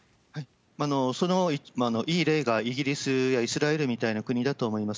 そのいい例がイギリスやイスラエルみたいな国だと思います。